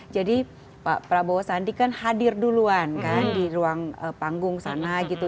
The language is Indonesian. jadi pak prabowo sandi kan hadir duluan kan di ruang panggung sana gitu